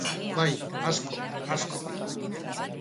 Bai, asko, asko.